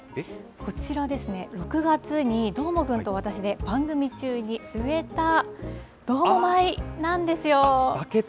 こちらですね、６月にどーもくんと私で番組中に植えたどーも米なんですよ。